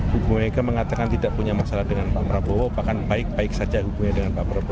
bu mega mengatakan tidak punya masalah dengan pak prabowo bahkan baik baik saja hubungannya dengan pak prabowo